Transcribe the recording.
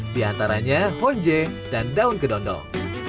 diantaranya honje dan daun kedondong